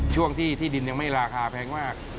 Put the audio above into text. ช่วงที่ที่ดินยังไม่ราคาแพงมาก